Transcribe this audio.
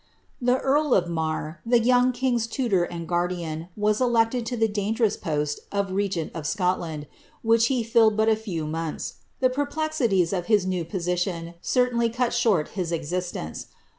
The earl of Marr, the young king's tutor and guardian, was elected to the dangerous post of regent of Scotland, which he filled but a few nonths. The perplexities of his new position certainly cut short his eKurtence.